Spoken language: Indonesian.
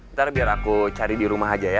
ntar biar aku cari di rumah aja ya